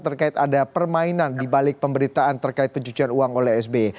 terkait ada permainan di balik pemberitaan terkait pencucian uang oleh sby